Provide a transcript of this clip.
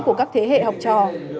của các thế hệ học trò